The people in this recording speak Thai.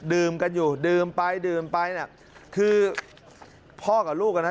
ดื่มกันอยู่ดื่มไปดื่มไปน่ะคือพ่อกับลูกอ่ะนะ